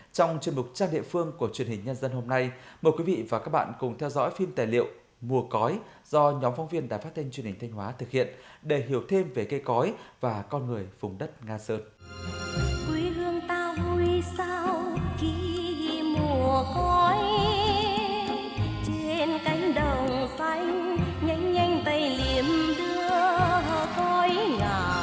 trong chương trình trang địa phương của truyền hình nhân dân hôm nay mời quý vị và các bạn cùng theo dõi phim tài liệu mùa cói do nhóm phóng viên đài phát thanh truyền hình thanh hóa thực hiện để hiểu thêm về cây cói và con người vùng đất nga sơn